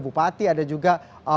bupati ada juga